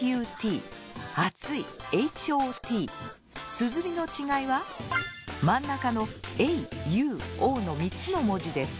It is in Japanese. つづりの違いは真ん中のａｕｏの３つの文字ですが。